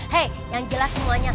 hei yang jelas semuanya